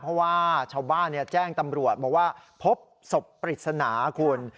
เพราะว่าชาวบ้านแจ้งตำรวจบอกว่าพบศพปริศนาคุณ